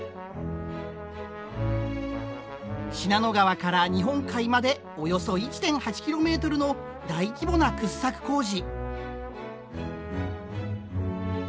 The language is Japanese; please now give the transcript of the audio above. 信濃川から日本海までおよそ１．８キロメートルの大規模な掘削工事。